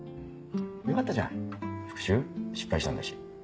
よかったじゃん復讐失敗したんだし。